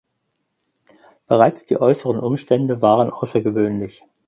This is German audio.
Bereits die äußeren Umstände waren außergewöhnlich.